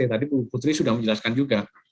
ya tadi putri sudah menjelaskan juga